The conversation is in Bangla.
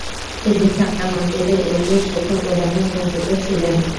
তিনি ছাট্টা মসজিদে ইউক্লিড শিক্ষা প্রদানে নিয়োজিত ছিলেন।